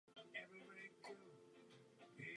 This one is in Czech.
Bylo nahráno ve studiu Break Through Audio v Chicagu.